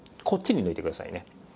こっちに抜いてくださいね。